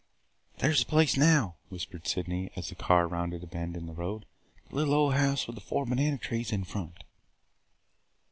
"There 's the place now!" whispered Sydney, as the car rounded a bend in the road. "The little old house with the four banana trees in front!"